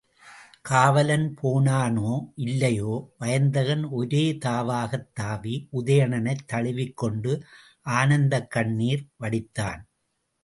காவலன் போனானோ இல்லையோ, வயந்தகன் ஒரே தாவாகத் தாவி, உதயணனைத் தழுவிக் கொண்டு ஆனந்தக் கண்ணீர் வடித்தான்.